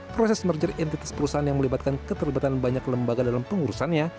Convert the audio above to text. proses merger identitas perusahaan yang melibatkan keterlibatan banyak lembaga dalam pengurusannya